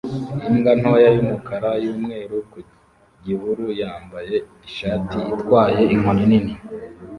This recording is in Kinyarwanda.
Imbwa ntoya y'umukara n'umweru ku gihuru yambaye ishati itwaye inkoni nini